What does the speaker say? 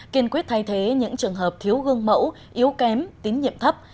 kiên quyết thay thế những trường hợp thiếu gương mẫu yếu kém tín nhiệm thấp